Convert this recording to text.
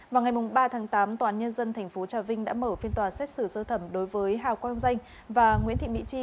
vào ngày ba tháng tám tòa án nhân dân tp trà vinh đã mở phiên tòa xét xử sơ thẩm đối với hào quang danh và nguyễn thị mỹ chi